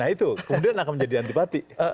nah itu kemudian akan menjadi antibatik